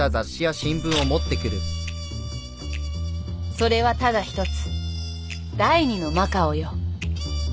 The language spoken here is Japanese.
それはただ一つ第二のマカオよ。